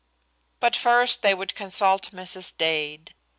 But first they would consult Mrs. Dade.